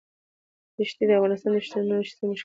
دښتې د افغانستان د شنو سیمو ښکلا ده.